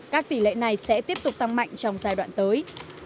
các tỷ lệ này sẽ tiếp tục tăng mạnh trong giai đoạn tới